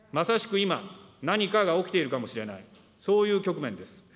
今、何かが起きているかもしれない、そういう局面です。